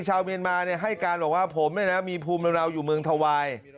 ชาวเมียนมาเนี่ยให้การบอกว่าผมเนี่ยนะมีภูมิเหล่าอยู่เมืองทวาย